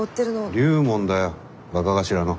龍門だよ若頭の。